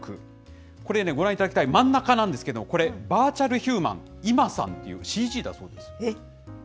これ、ご覧いただきたい、真ん中なんですけども、これ、バーチャルヒューマン、ｉｍｍａさんというＣＧだそうです。